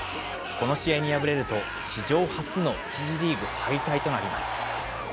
この試合に敗れると、史上初の１次リーグ敗退となります。